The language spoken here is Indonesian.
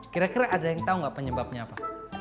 kira kira ada yang tahu nggak penyebabnya apa